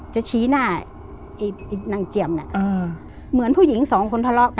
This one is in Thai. จะชี้หน้า